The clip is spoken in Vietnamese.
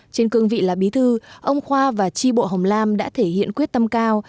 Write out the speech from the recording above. trên cương vị là bí thư ông khoa và tri bộ hồng lam đã thể hiện quyết tâm cao